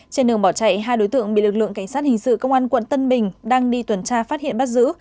trên đường bỏ chạy hai đối tượng bị lực lượng cảnh sát hình sự công an quận tân bình đang đi tuần tra phát hiện bắt giữ